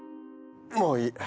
もういい！